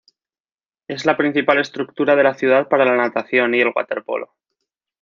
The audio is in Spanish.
Es la principal estructura de la ciudad para la natación y el waterpolo.